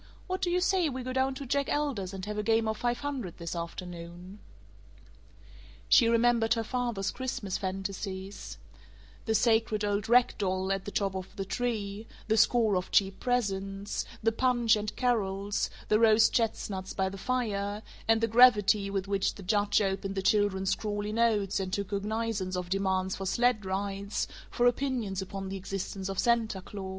What do you say we go down to Jack Elder's and have a game of five hundred this afternoon?" She remembered her father's Christmas fantasies: the sacred old rag doll at the top of the tree, the score of cheap presents, the punch and carols, the roast chestnuts by the fire, and the gravity with which the judge opened the children's scrawly notes and took cognizance of demands for sled rides, for opinions upon the existence of Santa Claus.